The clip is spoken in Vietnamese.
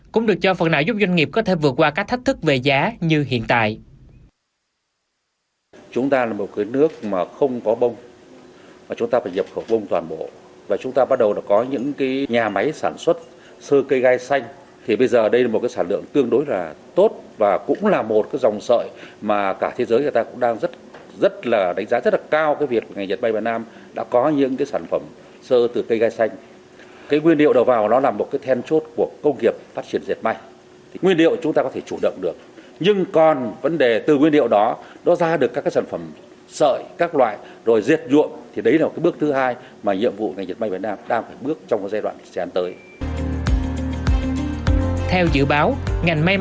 cũng được cho phần nào giúp doanh nghiệp có thể vượt qua các thách thức về giá như hiện tại